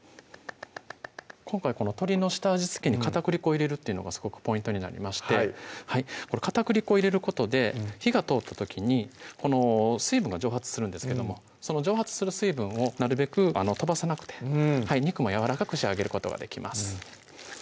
今回この鶏の下味付けに片栗粉を入れるっていうのがすごくポイントになりまして片栗粉入れることで火が通った時に水分が蒸発するんですけどもその蒸発する水分をなるべく飛ばさなくて肉もやわらかく仕上げることができます